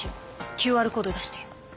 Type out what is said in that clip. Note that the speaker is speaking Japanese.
ＱＲコード出して。